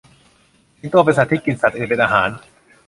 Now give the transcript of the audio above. สิงโตเป็นสัตว์ที่กินสัตว์อื่นเป็นอาหาร